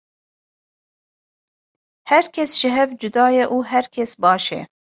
Her kes ji hev cuda ye û her kes baş e.